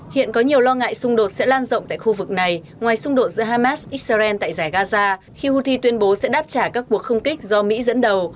hiện có nhiều lo ngại xung đột sẽ lan rộng tại khu vực này ngoài xung đột giữa hamas israel tại giải gaza khi houthi tuyên bố sẽ đáp trả các cuộc không kích do mỹ dẫn đầu